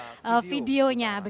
tidak ada videonya